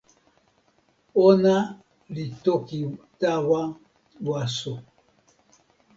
ona li toki tawa waso.